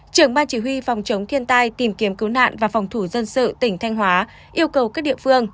trưởng ban chỉ huy phòng chống thiên tai tìm kiếm cứu nạn và phòng thủ dân sự tỉnh thanh hóa yêu cầu các địa phương